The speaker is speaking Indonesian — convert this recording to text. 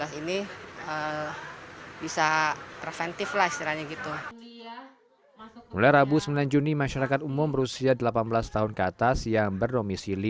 lah istilahnya gitu mulai rabu sembilan juni masyarakat umum berusia delapan belas tahun ke atas yang berdomisili